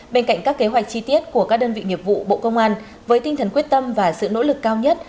bên cạnh các kế hoạch chi tiết của các đơn vị nghiệp vụ bộ công an với tinh thần quyết tâm và sự nỗ lực cao nhất